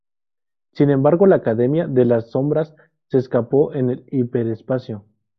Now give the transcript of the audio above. Sin embargo la Academia de la Sombras se escapó en el Hiperespacio.